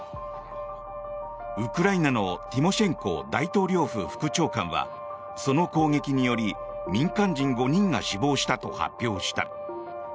ウクライナのティモシェンコ大統領府副長官はその攻撃により民間人５人が死亡したと発表した。